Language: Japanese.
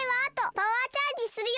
パワーチャージするよ！